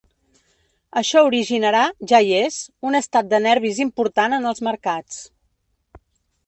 Això originarà –ja hi és– un estat de nervis important en els mercats.